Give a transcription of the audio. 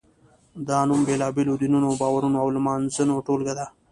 دا نوم بېلابېلو دینونو، باورونو او لمانځنو ټولګه ده.